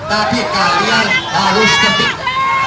tapi kalian harus tetik